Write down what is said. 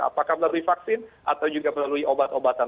apakah melalui vaksin atau juga melalui obat obatan